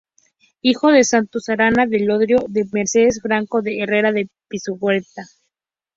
Hijo de Santos Arana, de Llodio, y de Mercedes Franco, de Herrera de Pisuerga.